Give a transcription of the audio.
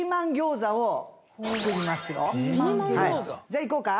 じゃあいこうか。